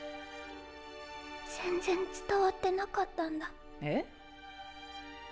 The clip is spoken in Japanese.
全然伝わってなかったんだ。え？